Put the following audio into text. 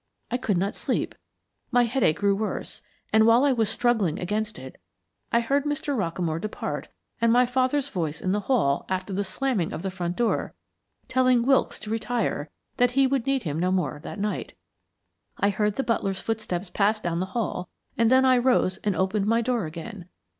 I could not sleep, my headache grew worse; and while I was struggling against it, I heard Mr. Rockamore depart, and my father's voice in the hall, after the slamming of the front door, telling Wilkes to retire, that he would need him no more that night. I heard the butler's footsteps pass down the hall, and then I rose and opened my door again.